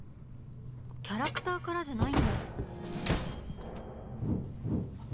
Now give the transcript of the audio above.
キャラクターからじゃないんだ？